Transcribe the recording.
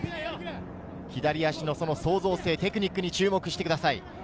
左足の創造性、テクニックに注目してください。